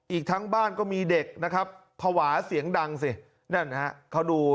อีกทั้งบ้านก็มีเด็กนะครับภาวะเสียงดังสินั่นนะฮะเขาดู